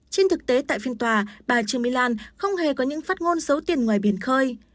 trên thực tế tại phiên tòa bà trương mỹ lan không hề có những phát ngôn xấu tiền ngoài biển khơi